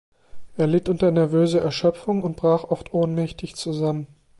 Er litt unter nervöser Erschöpfung und brach oft ohnmächtig zusammen.